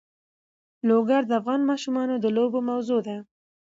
لوگر د افغان ماشومانو د لوبو موضوع ده.